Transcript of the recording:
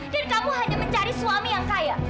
dan kamu hanya mencari suami yang kaya